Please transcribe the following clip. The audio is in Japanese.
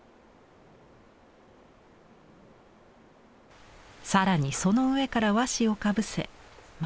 更にその上から和紙をかぶせまた色をのせる。